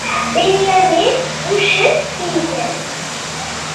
Binyamin, d uccen i yezzren.